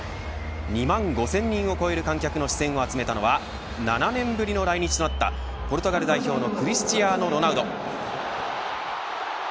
２万５０００人を超える観客の視線を集めたのは７年ぶりの来日となったポルトガル代表のクリスティアーノ・ロナウド。